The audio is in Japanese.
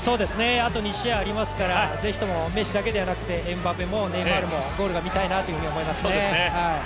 あと２試合ありますから、ぜひともメッシだけではなくてエムバペもネイマールもゴールが見たいなと思いますね。